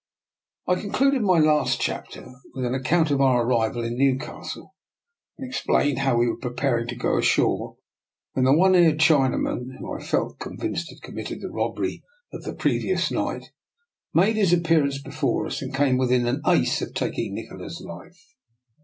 I concluded my last chapter with an ac count of our arrival in Newcastle, and ex plained how we were preparing to go ashore, when the one eared Chinaman, who I felt con vinced had committed the robbery of the pre vious night, made his appearance before us and came within an ace of taking Nikola's life.